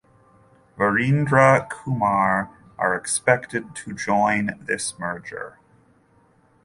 Veerendra Kumar are expected to join this merger.